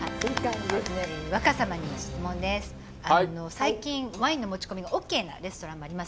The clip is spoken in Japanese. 最近ワインの持ち込みがＯＫなレストランもあります。